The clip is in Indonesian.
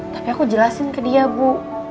tapi aku jelasin ke dia bu